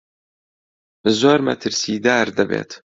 زۆر مەترسیدار دەبێت.